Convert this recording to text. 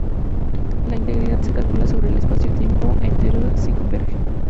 La integral se calcula sobre el espacio-tiempo entero si converge.